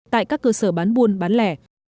tại các cơ sở bán buôn bán lẻ